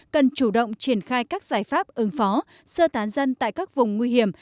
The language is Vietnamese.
cần chủ động triển khai các giải pháp ứng phó sơ tán dân tại các vùng nguy hiểm